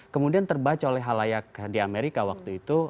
kemudian terbaca oleh halayak di amerika waktu itu